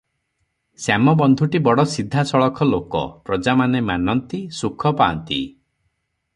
ଶ୍ୟାମବନ୍ଧୁଟି ବଡ଼ ସିଧା ସଳଖ ଲୋକ, ପ୍ରଜାମାନେ ମାନନ୍ତି, ସୁଖ ପା’ନ୍ତି।